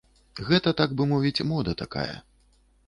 Гэта, так бы мовіць, мода такая.